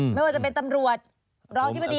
ไม่ว่าจะเป็นตำรวจรองอธิบดี